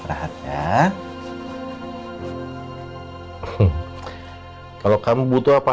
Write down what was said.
dia tidak akan membutuhkannya